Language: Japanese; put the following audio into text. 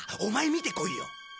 見てこいよ。